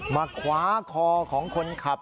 มาคว้าคอของคนขับ